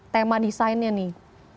tema desainnya nih